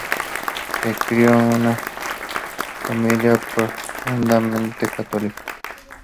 Se crio en una familia profundamente católica.